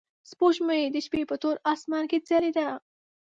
سپوږمۍ د شپې په تور اسمان کې ځلېده.